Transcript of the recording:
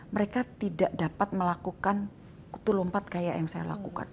mereka tidak dapat melakukan kutulompat kayak yang saya lakukan